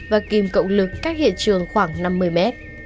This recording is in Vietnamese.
và kìm cộng lực cách hiện trường khoảng năm mươi mét